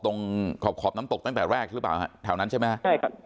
ตรงขอบขอบน้ำตกตั้งแต่แรกหรือเปล่าฮะแถวนั้นใช่ไหมฮะใช่ครับ